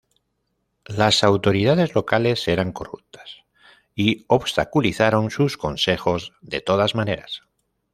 Las autoridades locales eran corruptas y obstaculizaron sus consejos de todas maneras.